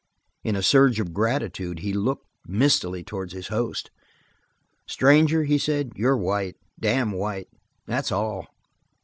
In a surge of gratitude he looked mistily towards his host. "Stranger," he said, "you're white. Damned white. That's all.